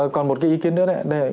còn một cái ý kiến nữa đấy